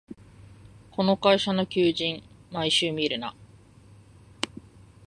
この会社の求人、毎週見るな